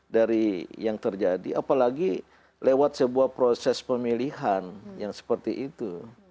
dari yang terjadi apalagi lewat sebuah proses pemilihan yang seperti itu